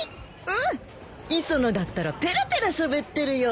うん磯野だったらぺらぺらしゃべってるよ。